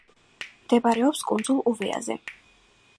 მდებარეობს კუნძულ უვეაზე.